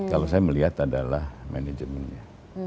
kalau saya melihat adalah manajemennya